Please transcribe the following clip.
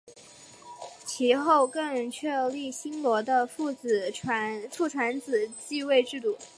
其后更确立新罗的父传子继位制度。